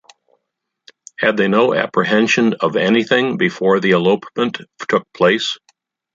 Had they no apprehension of anything before the elopement took place?